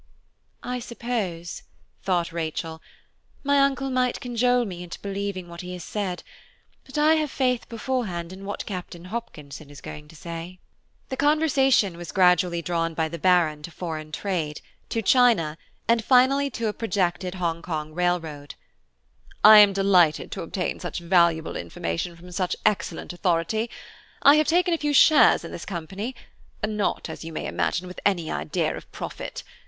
"I suppose," thought Rachel, "my uncle might conjole me into believing what he has said; but I have faith beforehand in what Captain Hopkinson is going to say." The conversation was gradually drawn by the Baron to foreign trade, to China, and finally to a projected Hongkong railroad. "I am delighted to obtain such valuable information from such excellent authority; I have taken a few shares in this company–not, as you may imagine, with any idea of profit.